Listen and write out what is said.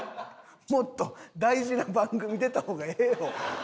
もっと大事な番組出た方がええよ。